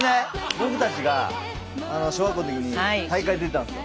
僕たちが小学校の時に大会出たんですよ。